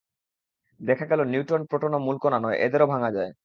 দেখা গেল নিউট্রন, প্রোটনও মূল কণা নয়, এদেরও ভাঙা যায়।